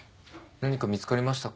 何か見つかりましたか？